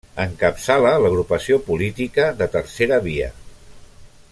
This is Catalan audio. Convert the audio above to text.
Encapçala l’agrupació política de Tercera Via.